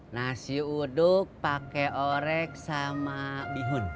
nasi uduk pakai orek sama bihun